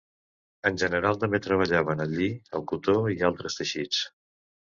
En general, també treballaven el lli, el cotó i altres teixits.